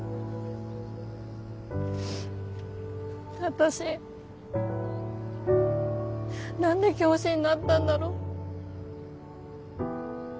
私何で教師になったんだろう。